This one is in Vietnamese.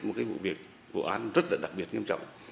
một cái vụ việc vụ án rất là đặc biệt nghiêm trọng